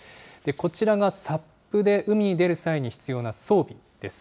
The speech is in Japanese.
こちらがＳＵＰで海に出る際に必要な装備です。